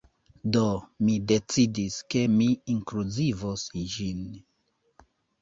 Do, mi decidis, ke mi inkluzivos ĝin